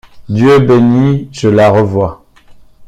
Dieu béni, je la revois!